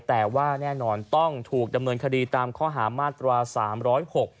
แต่ว่าแน่นอนต้องถูกดำเนินคดีตามข้อหามาตรวจ๓๐๖